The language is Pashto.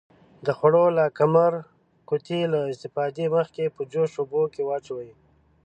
د خوړو لاکمُر قوطي له استفادې مخکې په جوش اوبو کې واچوئ.